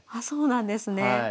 そうなんですね。